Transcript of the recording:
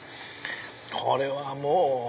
これはもう。